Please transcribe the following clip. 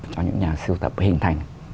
cho những nhà siêu tập hình thành